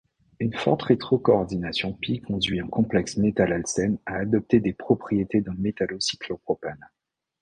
Une forte rétrocoordination π conduit un complexe métal–alcène à adopter des propriétés d'un métallocyclopropane.